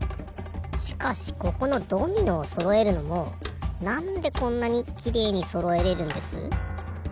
しかしここのドミノをそろえるのもなんでこんなにきれいにそろえれるんです？